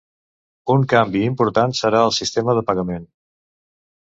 Un canvi important serà el sistema de pagament.